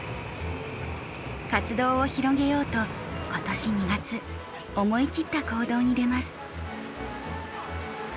活動を広げようと今年２月思い切った行動に出ます。